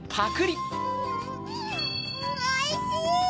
おいしい！